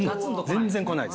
全然こないです。